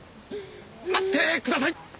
待ってください！